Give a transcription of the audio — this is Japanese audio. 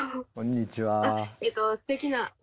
こんにちは。